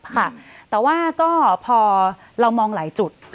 ค่ะแต่ว่าก็พอเรามองหลายจุด